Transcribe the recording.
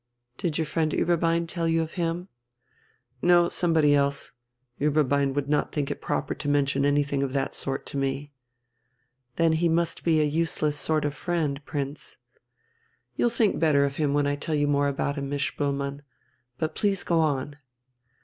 "Did your friend Ueberbein tell you of him?" "No, somebody else. Ueberbein would not think it proper to mention anything of that sort to me." "Then he must be a useless sort of friend, Prince." "You'll think better of him when I tell you more about him, Miss Spoelmann. But please go on!"